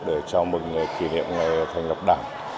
để chào mừng kỷ niệm thành lập đảng